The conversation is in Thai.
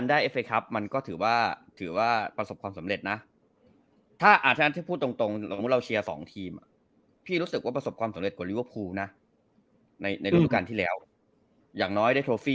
พี่รู้สึกว่าประสบความสำเร็จกว่าน่ะในในรูปการณ์ที่แล้วอย่างน้อยได้